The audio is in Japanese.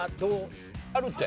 あるって。